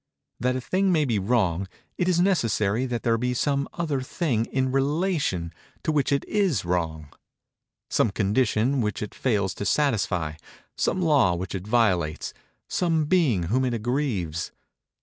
That a thing may be wrong, it is necessary that there be some other thing in relation to which it is wrong—some condition which it fails to satisfy; some law which it violates; some being whom it aggrieves.